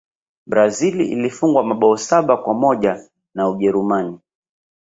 brazil ilifungwa mabao saba kwa moja na ujerumani